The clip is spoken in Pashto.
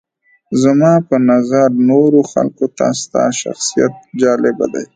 زما په نظر نورو خلکو ته ستا شخصیت جالبه دی.